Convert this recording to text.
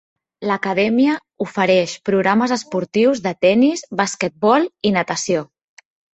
L'Acadèmia ofereix programes esportius de tennis, basquetbol i natació.